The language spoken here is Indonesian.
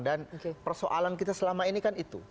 dan persoalan kita selama ini kan itu